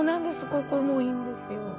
ここもいいんですよ。